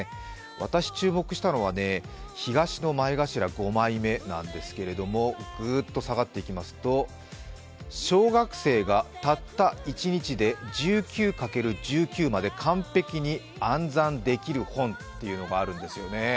私、注目したのはね、東の前頭５枚目なんですがぐーっと下がっていきますと小学生がたった１日で１９×１９まで完璧に暗算できる本というのがあるんですよね。